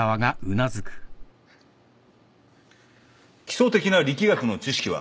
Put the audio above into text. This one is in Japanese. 基礎的な力学の知識は。